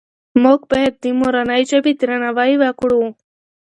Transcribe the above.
موږ باید د مورنۍ ژبې درناوی وکړو.